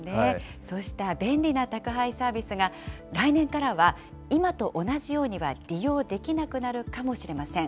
そうした便利な宅配サービスが、来年からは今と同じようには利用できなくなるかもしれません。